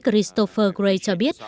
christopher gray cho biết